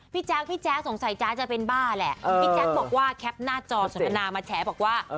แจ๊คพี่แจ๊คสงสัยจ๊ะจะเป็นบ้าแหละพี่แจ๊คบอกว่าแคปหน้าจอสนทนามาแฉบอกว่า